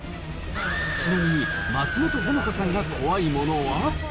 ちなみに、松本穂香さんが怖いものは？